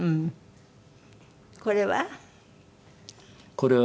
これは？